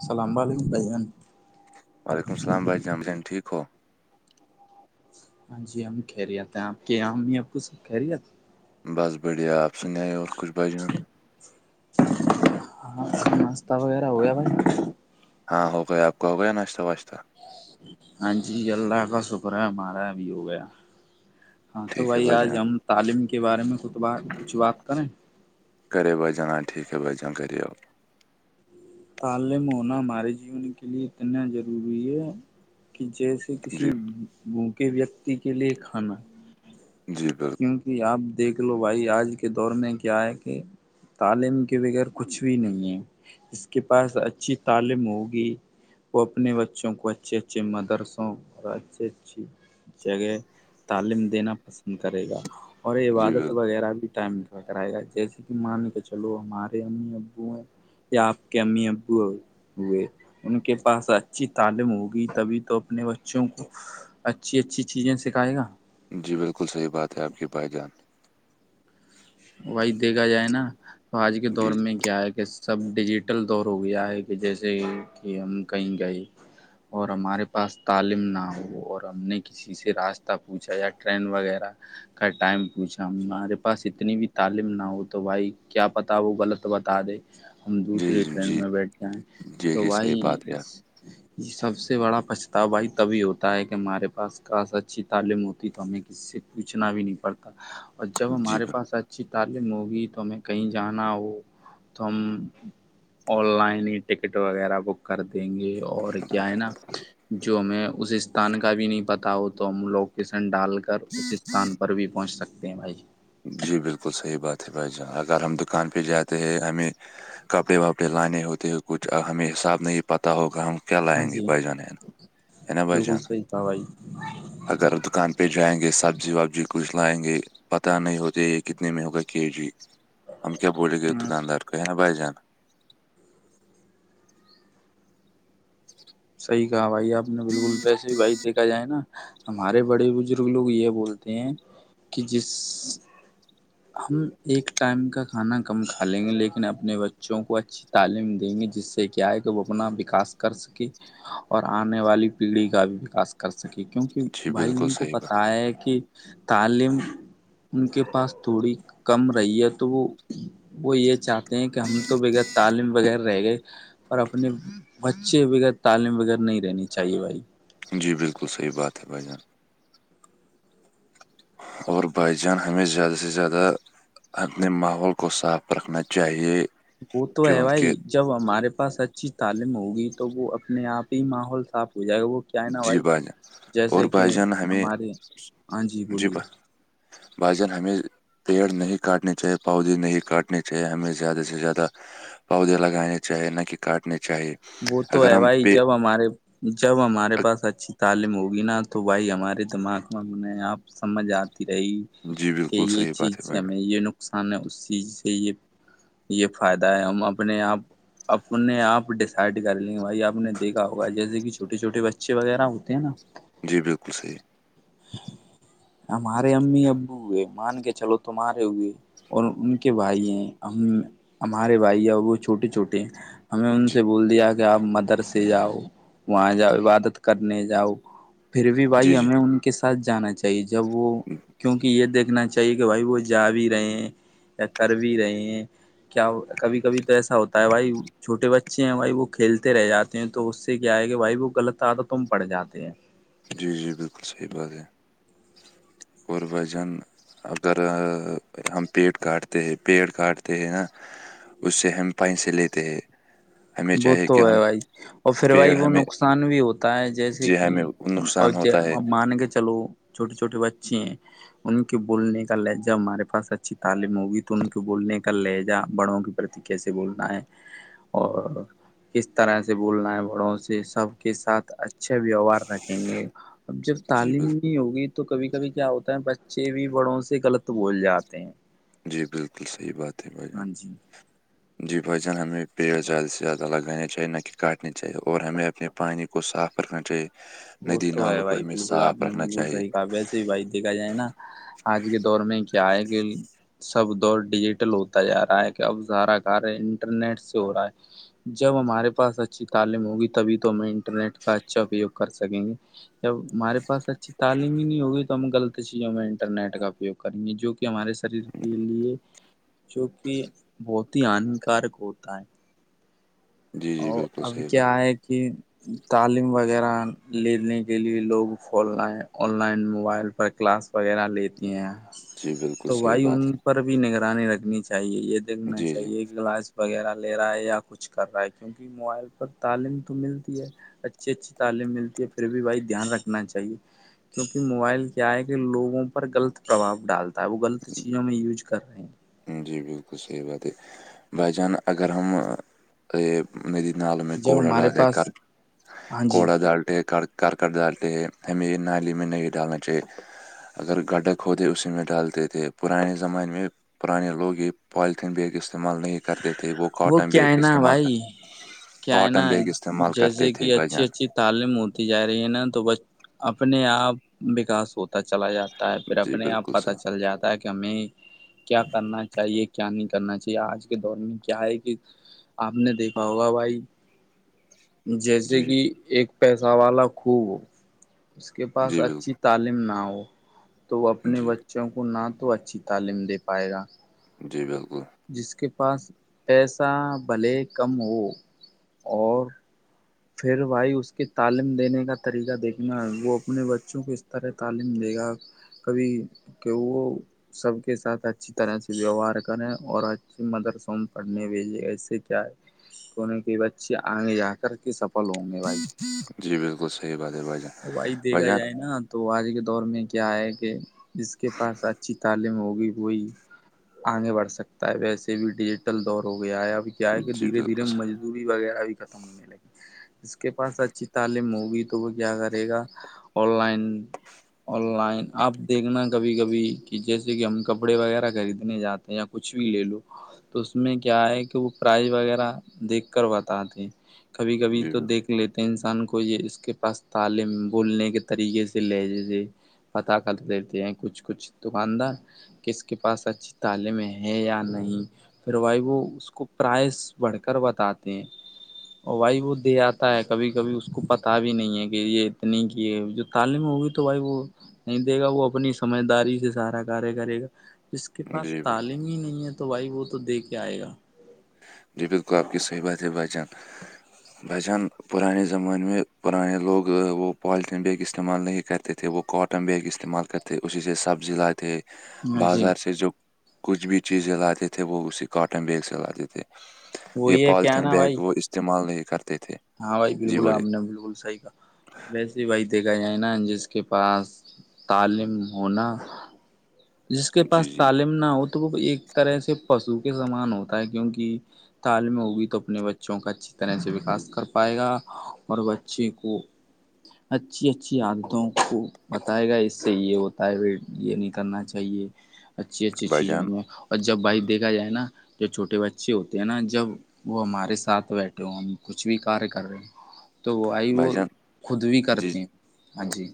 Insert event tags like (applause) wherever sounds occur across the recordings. السلام علیکم بھائیان وعلیکم السل بائی جامان ج ٹھیک ہو ہاں جی ہم کہ رہے تھ ہیں آپ کے یہ امی ابو سب کہ رہ تھ بس بڑیا آپ سنیے او کچھ بجہند ہاں ناشہ وغیرہ ہو گیا بھائی ہاں ہو گیا آپ کا ہو گیا ناشتہ واشتہ ہاں جی اللہ کا شکر ہے ہمارا بھی ہو گیا ہاں تو ٹھیک ہے بھائی آج جان ہم تعلیم کے بارے میں ک ب کچھ بات کریں گھرے بج جان ٹھیک ہے بج جان گیے تعلیم ہونا ہمارے جیون کے لیے اتنا ضروری ہے کہ جیس کسی جی بھوکے ویکتی کے لیے کھانا جی بالکل کیوںکہ آپ دیکھ لو بھائی آج کے دور میں کیا ہے کہ تعلیم کے بغیر کچھ بھی نہیں ہے اس کے پاس اچھی تعلیم ہوگی وہ اپنے بچوں کو اچھے اچھے مدرسوں اور اچھھی اچھی جگہ تعلیم دینا پسند کرے گا اور جی عبادت بالکل وغیرہ بھی ٹائم کرائے گا جیسے کہ مان کے چلو ہمارے امی ابو ہیں یا آپ کے امی ابو اور ہوئے ان کے پاس اچھی تعلیم ہوگی تبھی تو اپنے بچوں کو اچھی اچھی چیزیں سکھائے گا جی بالکل صحیح بات ہے آپ کی بھائی جان وہی دیکھا جائے نا تو آج کے جی دور میں کیا ہے کہس سب ڈیجیٹل دور ہو گیا ہے کہ جیسے کہ ہم کہیں گئے اور ہمارے پاس تعلیم نہ ہو اور ہم نے کسی ک سے راستہ پوچھا یا ٹرین وغیرہ کا ٹائم پوچھا ہمارے پاس ا اتنی بھی تعلیم نہ ہو تو بھائی کیا پتا وہ غلط بتا دے ہم جی دوسری ٹرین جی میں بیٹھتے ہیں جی تو جی صحیح وہی بات (inaudible) یہ سب سے بڑا پچھتاواائی تبھی ہوتا ہے کہ ہمارے پاس خ سا اچھی تعلیم ہوتی ہے تو ہمیں ک سے پوچھنا بھی نہیں پڑتا اور جب جی ہمارے س اچھی تعلیم ہوگی تو ہمیں کہیں جانا ہو تو ہم آن لائن ہی ٹکٹ وغیرہ بک کر دیں گے اور کیا ہے نا جو ہم اس استان کا بھی نہیں پتا ہوتا تو ہم لوکیسن ڈال کر اس استھان پر بھی پہنچ سکتے ہیں بھائی جی بالکل صحیح بات ہے بھائی جان اگر ہم دکان پہ جاتے ہیں ہمیں کپڑے واپڑے لانے ہوتے کچھ ہمیں حساب نہیں پتہ ہوگا ہم کیا ہاں لائیں گے جی بائی جان ہے نا ہے نا بائی بالکل جان صحیح کہا بھائی اگر دکان پہ جائیں گے سبزی وبزی کچھ لائیں گے ات نہیں ہوتے یہ کتنے میں ہوگا کے جی ہم کیا بولے گے ہ دکاندار کو ہے نا بھائی جان صحیح کہا بھائی آپ نے بالکل ویسے بھی بھائی دیکھا جائے نا ہمارے بڑے بزرگ لوگ یہ بولتے ہیں کہ جس ہم ایک ٹائم کا کھانا کم کھا لیں گے لیکن اپنے بچوں کو اچھی اچھی تعلیم دیں گے جس سے کیا ہے کہ وہ اپنا وکاس کر سکے اور آنے والی پیڑھی کا بھی وکاس کر سکے کیونکہ جی بھائی بالکل ان کو صحیح بات پتا ہے کہ تعلیم ان کے پاس تھوڑی کم رہی ہے تو وہ وہ یہ چاہتے ہیں کہ ہم تو بغیر تعلیم بغیر رہ گئے پر اپنے بچے بغیر تعلیم بغیر نہیں رہنی چاہیے بھائی جی بالکل صحیح بات ہے بھائی جان اور بائی جان ہمیں زیادہ سے زیادہ اپنے ماحول کو صاف رکھنا چاہیے وہ تو ہے کیونکہ بھائی جب ہمارے پاس اچھی تعلیم ہوگی تو وہ اپنے آپ ہی ماحول صاف ہو جائے گا وہ کیا ہے نا جی بھائی جان اور جیسے بھائی کہ جان ہمیں ہمارے ہاں جی ب بولیے بھ جن ہمیں پیڑ نہیں کاٹنے چاہیے پودے نہیں کاٹنے چاہیے ہمیں زیادہ سے زیادہ پودے لگانے چاہیے نہ کہ کاٹنے چاہی وہ تو ہے بھائی جب ہمارے جب ہمارے پاس اچھی تعلیم ہوگی نا تو بھائی ہمارے دماغ میں انہیں آپ سمجھ آتی رہی جی کہ بالکل یہ صحیح چیز بات ہے سے بھائی ہمیں جان یہ نقصان ہے اس چیز سے یہ یہ فائدہ ہے ہم اپنے آپ اپنے آپ سائڈ کر لیںے بھائی آپ نے دیکا ہوگا جیسے کہ چھوے چھوٹے بچے وغیرہ ہوتے ہیں نا جی بالکل صحیح ہمارے امی ابو ہوئے مان کے چلو تمہارے ہوئے اور ان کے بھائی ہیں ہم ہمارے بھائی اور وہ چھوٹے چھوٹے ہیں ہمیں ان جی سے بول دیا کہ آپ مدرسے جاؤ وہاں جاؤ عبادت کرنے جاؤ پھر بھی جی بھائی جی ہمیں ان کے ساتھ جانا چاہیے جب وہ کیونکہ یہ دیکھنا چاہیے کہ بھائی وہ جا بھی رہے ہیں یا کر بھی رہے ہیں کیا کبھی کبھی تو ایسا ہوتا ہے بھائی چھوٹے بچے ہیں بھائی وہ کھیلتے رہ جاتے ہیں تو اس سے کیا ہے کہ بھائی وہ غلط آتا تم پڑھ جاتے ہیں جی جی بالکل صحیح بات ہے اور بھائی جان اگر ہم پیڑ کاٹتے پیڑ کاٹتے نا اس سے ہمپائ سے لیتے ہیں ہمیں وہ چاہیے تو کہ ہم ہے بھائی اور پھر بھائی پیڑ وہ ہمیں نقصان بھی ہوتا ہے جیسے جی کہ ہمیں نقصان ہوتا ہے (inaudible) مان کے چلو چھٹے چھوٹے بچے ہیں ان کے بولنے کا لہجہ ہمارے پاس اچھی تعلیم ہوگی تو ان کے بولنے کا لہجہ بڑوں کے پرتی کیسے بولنا ہے اور کس طرح سے بولنا ہے بڑوں سے سب کے ساتھ اچھا ویوہار رکھیں گے اب جب جی تعلیم بالکل نہیں ہوگی تو کبھی کبھی کیا ہوتا ہے بچے بھی بڑوں سے غلط بول جاتے ہیں جی بالکل صحیح بات ہے بھائی جان ہاں جی جی بھائی جان ہمیں پیڑ زیادہ سے زیادہ لگانے چاہیے نہ کہ کاٹنے چاہیے اور ہمیں اپنے پانی کو صاف رکھنا چاہیے وہ ندی تو ہے نالوں کو بھائی ہمیں بالکل آپ صاف نے رکھنا بالکل چاہیے صحیح کہا ویسے بھائی دیکھا جائے نہ آج کے دور میں کیا ہےئے کہ سب دور ڈیجیٹل ہوتا جا رہا ہے کہ اب ارا کار انٹرنیٹ سے ہو رہا ہے جب ہمارے پا اچھی تعلیم ہوگی تبھی تو ہمیں انٹرنیٹ کا اچھا اپیوگ کر سکیں گے جب ہمارے پاس اچھی تعلیم ہی نہیں ہوگی تو ہم غلط چیزوں میں انٹرنیٹ کا اپیوگ کریں گے جو کہ ہمارے شریر کے لیے جو کہ بہت ہی ہانیکارک ہوتا ہے جی جی اور بالکل ابھی صحیح کیا بات ہے کہ تعلیم وغیرہ لینے کے لیے لوگ (inaudible) آن لائن موبائل پر کلاس وغیرہ لیتی ہیں جی بالکل تو صحیح بھائی ان بات پر بھی نگرانی رکھنی چاہیے یہ ہے دیکھنا جی جی چاہیے کلاس وغیرہ لے رہا ہے یا کچھ کر رہا ہے کیونکہ موبائل پر تعلیم تو ملتی ہے اچھی اچھی تعلیم ملتی ہے پھر بھی بھائی دھیان رکھنا چاہیے کیونکہ موبائل کیا ہے کہ لوگوں پر غلط پربھاؤ ڈالتا ہے وہ غلط چیزوں میں یوج کر رہے ہیں جی بالکل صحیح بات ہے بھائی جان اگر ہم (inaudible) جب گھر ہمارے پاس ہاں جی گھر ڈالتے ہیں ہمیں نالی میں نہیں ڈالنا چاہیے اگر گڈہ کوھ دے اسی میں ڈالتے تھے پرانے زمانے میں پرانے لوگ یہ پالیتھیین بیگ استعمال نہیں کرتے تھے وہ کاٹن کیا بیگ ہے نا استعمال کرتے بھائی کیا ہے کااٹن نا بیگ استعمال کرتے جیسے تھے کہ بھائی اچھی جان اچھی تعلیم ہوتی جا رہی ہے نا تو اپنے آپ وکاس ہوتا چلا جاتا تا پھر جی اپنے آپ بالکل پتا صحیح چل جاتا ہے کہ ہمیں کیا کرنا چاہیے کیا نہیں کرنا چاہیے آج بھی کے دور میں کیا ہے کہ آپ نے دیکھا ہوگا بھائی جیسے جی کہ ایک پیسہ والا خوب اس کے پاس جی اچھی بالکل تعلیم نہ ہو تو وہ اپنے جی بچوں بچوں کو نہ تو اچھی تعلیم دے پائے گا جی بالکل جس کے پاس پیسہ بھلے کم ہو اور پھر بھائی اس کی تعلیم دینے کا طریقہ دیکھنا ہے وہ اپنے بچوں کو اس طرح تعلیم دے گا کبھی کہ وہ وہ سب کے ساتھ اچھی طرح سے ویوہار کریں اور اچے مدرس میں پڑھنے کے لیے ایسے کیا ہے کونے کے بچے آگے جا کر کے سفل ہوں گے بھائی جی بالکل صحیح بات ہے بھائی جان بھائی دیکھا جان جائے نا تو آج کے دور میں کیا ہے کہ جس کے پاس اچھی تعلیم ہوگی وہئی آگے بڑھ سکتا ہے ویسے بھی ڈیجیٹل دور ہو گیا ہے ابھی کیا آئے کہ جی دھیرے دھیرے بالکل صحیح، مزدوری وغیرہ بھی ختم ہونے لگی اس کے پاس اچھی تعلیم ہوگئی تو وہ کیا کرے گا آن لائن آن لائن اپ دیکھنا کبھی کبھی کہ جیسے کہ ہم کپڑے وغیرہ خریدنے جاتے ہیں یا کچھ بھی لے لو تو اس میں کیا ہے کہ وہ پرائز وغیرہ دیکھ کر بتاتے ہیں کبھی کبھی جی تو بالکل دیکھ لیتے ہیں انسان کو یہ اس کے پاس تعلیم بولنے کے طریقے سے لہجےے پتہ کر دیتے ہیں کچھ کچھ دکاندار کس کے پاس اچھی تعلیمیں ہے یا نہیں پھر بھائی وہ اس کو پرائز بڑھ کر بتاتے ہیں ا بھائی وہ دے آتا ہے کبھی کبھی اس کو پتا بھی نہیں ہے کہ یہ اتنی کی جو تعلیم ہوگی تو بھائی وہ نہیں دے گا وہ اپنی سمجھداری سے سارا کاریہ کرے گا اس کے پاس جی بالکل تعلیم ہی نہیں ہے تو بھائی وہ تو دے کے آئے گا جی پت کو آپ کی صحیح بات ہے بھائی جان بس جن پرانے زمانے میں پرانے لوگ وہ پالتین بیک استعمال نہیں کرتے تھے وہ کاٹن بیگ استعمال کرتےے اسی سے سبزی لائے تھے ہاں جی بازار سے جو کچھ بھی چیزیں لاتے تھے وہ اسی کاٹن بیگ سے لاتے تھے یہ وہی ہے کیا پالیتھیین نا بیگ بھائی وہ استعمال نہیں کرتے تھے ہاں بھائی جی بالکل بولے ہم نے بالکل صحی کہ ویسے وہی دیکھا جائے نا جس کے پاس تعلیم ہونا جس کے جی پاس جی تعلیم نہ ہو تو وہ ایک طرح سے پشو کے سامان ہوتا ہے کیونکہ تالم ہوگئی تو اپنے بچوں کا اچھی طرح سے وکاس کر کر پائے گا اور بچے کو اچھی اچھی عادتوں کو بتائے گا اس سے یہ ہوتا ہے پھر یہ نہیں کرنا چاہیے اچھی اچھی بھائی چیزوں جان میں اور جب بھائک دیکھا جائے نا جو چھوٹے بچے ہوتے ہیں نا جب وہ ہمارے ساتھ بیٹھے ہو ہم کچھ کچھ بھی کاریہ کر رہے ہیں تو وہ آئی وہ بھائی جان خود بھی جی کرتے ہیں ہاں جی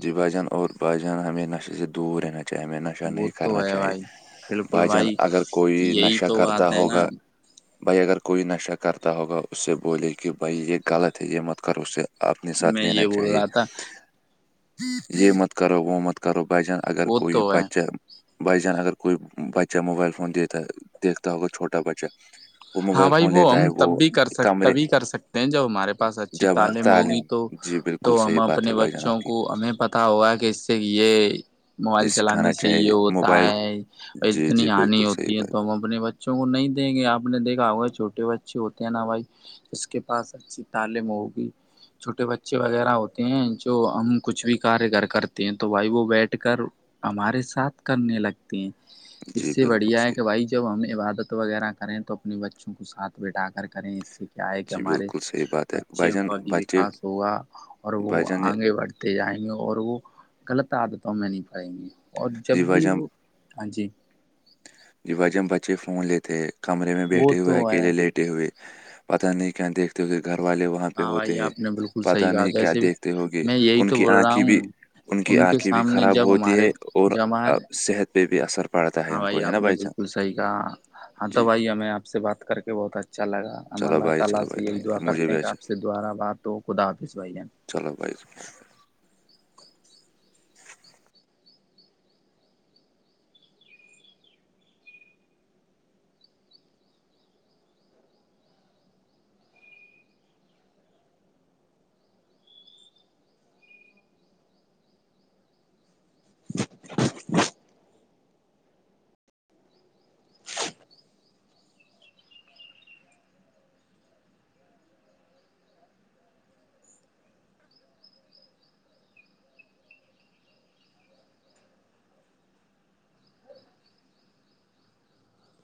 جی بھ جان اور بائیحان ہمیں نشے سے دور رہنا چاہیے ہمیں ن نشہ وہ نہیں تو کرنا ہے چاہیے بھائی بالکل بھائی جان اگر کوئی یہی نشہ تو کرتا بات ہے نا ہوگا بھائی اگر کوئی نشہ کرتا ہوگا اس سے بولے کہ بھائی یہ غلط ہے یہ مت کرو اس سے اپنے ساتھ میں لینا یہ بول چاہیے رہا تھا یہ مت کرو وہومت کرو بجن اگر وہ کوئی تو ہے بچہ بائی جان اگر کوئی بچہ موبائل فون دیتا ہے دیکھتا ہوگا چھوٹا بچہ وہ ہاں موبائل بھائی فون وہ لیتا ہم ہے تب بھی کر سک کمرے تبھی کر سکتے ہیں جب ہمارے پاس اچھی جبر تعلیم ہوگی تو جی تو بالکل ہم صحیح بات ہے اپنے بھائی جان آپ بچوں کی کو ہمیں پتا ہوا کہ اس سے یہ جی موبائل چلانے سکھانا سے یہ چاہیے ہوتا موبائل ہے اور جی اتنی جی ہانی بالکل صحیح ہوتی ہے بات تو اپنے بچوں کو نہیں دیں گے آپ نے دیکھا ہوگا چھوٹے بچے ہوتے ہیں نا بھائی اس کے پاس اچھی تعلیم ہوگی چھوٹے بچے وغیرہ ہوتے ہیں جو ہم کچھ بھی کارگر کرتے ہیں تو بھائی وہ بیٹھ کر ہمارے ساتھ کرنے لگ ہیں اس جی سے بالکل بڑھیا ہے صحیح کہ بھائی جب ہم عبادت وغیرہ کریں تو اپنے بچوں کو ساتھ بیٹھا کر کریں اس سے ہے کہ جی ہمارے بالکل صحیح بات ہے بھائی بچوں جان کا بھی بچے وکاس ہوگا اور وہ بھائی جان آگے بڑھتے ت جائیں گے اور وہ غلط عادتوں میں نہیں پڑیں گے اور جب بھی وہ ہاں جی جب ج ہم بچے فون لیتے کمرے میں وہ بیٹھے تو ہوئے ہے اکیلے لیٹ ہوئے پت نہیں کیا دیکھتے ہوئے گھر والے وہ وہاں پہ ہاں ہوتے بھائی ہیں آپ نے بالکل پت صحیح کہا نہیں کیا ویسے بھی دیکھتے ہو گے میں یہی ان تو کی بول رہا آنکھیں بھی ہوں ان کی کے آنکھیں بھی سامنے خراب جب ہوتی ہمارے ہے اور جب ہمارے صحت پہ بھی اثر پڑتا ہے ہاں کو ہے آپ نا نے بھائی جان بالکل صحیح کہا ہاں تو جی بائی ہمیں آپ سے بات کر کے بہت اچھا لگا ہم چلو اللہ بھائی تعالی چلو سے بھائی یہی تھینک دعا یو مجھے کرتے بھی ہیں کہ آپ اچھا سے دوبارہ بات ہو خداظ بھائی جان چلو بھ